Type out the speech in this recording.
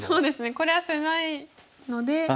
これは狭いので。